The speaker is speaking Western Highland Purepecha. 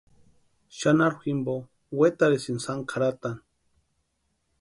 Xanharu jimpo wetarhisïnti sáni kʼarhatani.